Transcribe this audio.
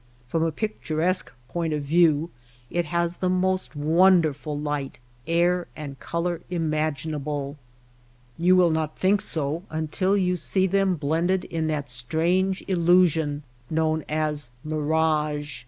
From a picturesque point of view it has the most wonderful light, air, and color imaginable. You will not think so until you see them blended in that strange illusion known as mirage.